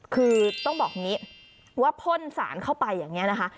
คือต้องบอกอย่างนี้ว่าพ่นสารเข้าไปอย่างนี้นะคะ